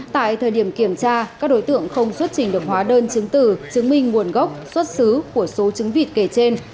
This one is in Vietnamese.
tại thời điểm kiểm tra các đối tượng không xuất trình được hóa đơn chứng từ chứng minh nguồn gốc xuất xứ của số trứng vịt kể trên